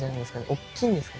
大きいんですか？